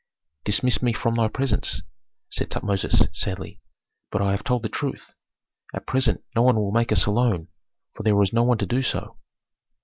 "Dismiss me from thy presence," said Tutmosis, sadly, "but I have told the truth. At present no one will make us a loan, for there is no one to do so."